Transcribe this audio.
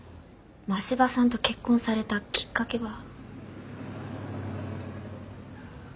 真柴さんと結婚されたきっかけは？